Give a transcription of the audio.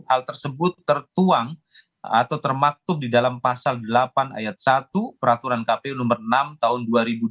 hal tersebut tertuang atau termaktub di dalam pasal delapan ayat satu peraturan kpu nomor enam tahun dua ribu dua puluh